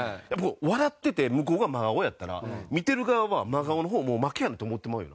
笑ってて向こうが真顔やったら見てる側は真顔の方をもう負けやんと思ってまうよな。